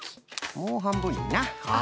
もうはんぶんになはあ。